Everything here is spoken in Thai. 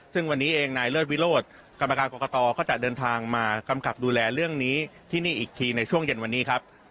ซึ่งวันนี้เองนายเลิศวิโรธกรรมการกรกตก็จะเดินทางมากำกับดูแลเรื่องนี้ที่นี่อีกทีในช่วงเย็นวันนี้ครับ